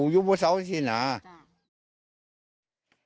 ยำกินเราผมกินแล้ว